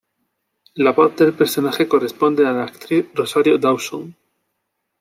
La voz del personaje corresponde a la actriz Rosario Dawson.